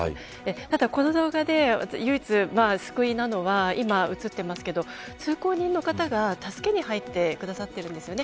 ただこの動画で唯一救いなのは今、映っていますけど通行人の方が助けに入ってくださっているんですよね。